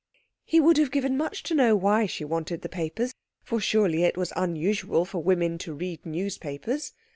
He would have given much to know why she wanted the papers, for surely it was unusual for women to read newspapers?